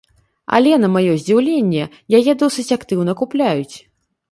Але, на маё здзіўленне, яе досыць актыўна купляюць.